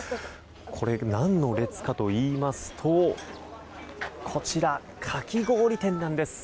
これ、何の列かといいますとこちら、かき氷店なんです。